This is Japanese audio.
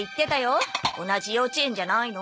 同じ幼稚園じゃないの？